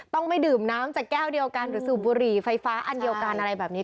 ต้องไม่ดื่มน้ำจากแก้วเดียวกันหรือสูบบุหรี่ไฟฟ้าอันเดียวกันอะไรแบบนี้